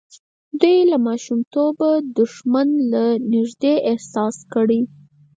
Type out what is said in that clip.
دوی له ماشومتوبه دښمن له نږدې احساس کړی.